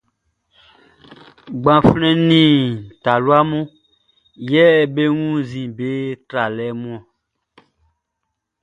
Gbanflɛn nin talua mun yɛ be wunnzin be tralɛ mun ɔn.